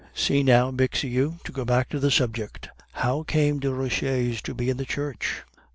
See now, Bixiou, to go back to the subject How came Desroches to be in the church?"